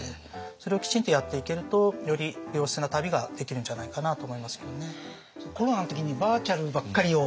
それをきちんとやっていけるとより良質な旅ができるんじゃないかなと思いますけどね。